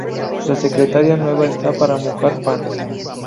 La secretaria nueva está para mojar pan